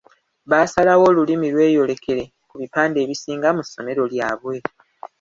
Baasalawo Olulimi lweyolekere ku bipande ebisinga mu ssomero lyabwe.